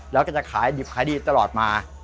แล้วก็จะขายดิบขายดีตลอดมา